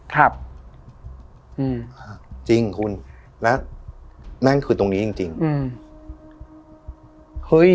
ครับอืมอ่าจริงคุณและนั่นคือตรงนี้จริงจริงอืมเฮ้ย